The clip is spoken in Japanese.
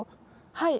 はい。